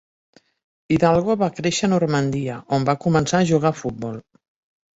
Hidalgo va créixer a Normandia, on va començar a jugar a futbol.